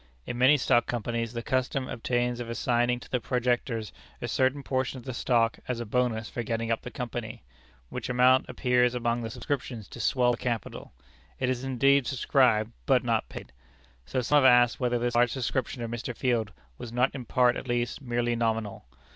In many stock companies the custom obtains of assigning to the projectors a certain portion of the stock as a bonus for getting up the company, which amount appears among the subscriptions to swell the capital. It is indeed subscribed, but not paid. So some have asked whether this large subscription of Mr. Field was not in part at least merely nominal?